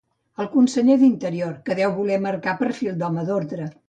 El conseller d'Interior, que deu voler marcar perfil d'home d'ordre.